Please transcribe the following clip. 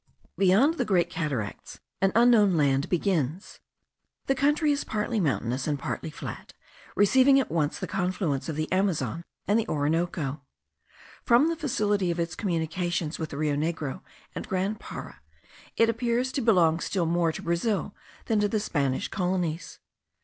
Beyond the Great Cataracts an unknown land begins. The country is partly mountainous and partly flat, receiving at once the confluents of the Amazon and the Orinoco. From the facility of its communications with the Rio Negro and Grand Para, it appears to belong still more to Brazil than to the Spanish colonies.